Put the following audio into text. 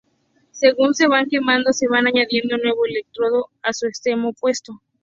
Según se van quemando se va añadiendo nuevo electrodo a su extremo opuesto.